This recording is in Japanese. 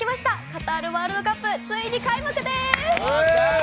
カタールワールドカップついに開幕です！